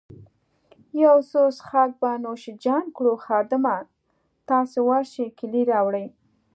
یو څه څیښاک به نوش جان کړو، خادمه، تاسي ورشئ کیلۍ راوړئ.